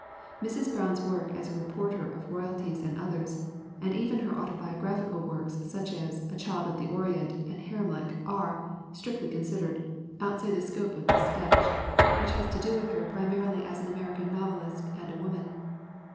Mrs. Brown's work as a reporter of royalties and others and even her autobiographical books such as A Child of the Orient and Haremlik are, strictly con sidered, outside the scope of this sketch, which has to DEMETRA VAKA 289 do with her primarily as an American novelist and a woman.